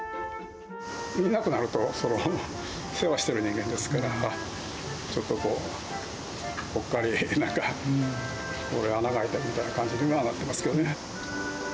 いなくなると、世話してる人間ですから、ちょっとこう、ぽっかりなんか心に穴が開いたみたいな感じにはなってますけどね。